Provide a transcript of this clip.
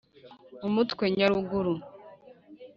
umutwe : nyaruguru